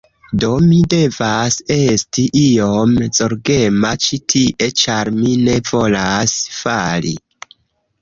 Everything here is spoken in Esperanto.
Do, mi devas esti iom zorgema ĉi tie ĉar mi ne volas fali